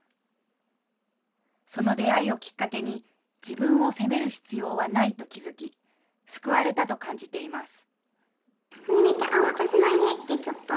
その出会いをきっかけに、自分を責める必要はないと気付き、救われたと感じています。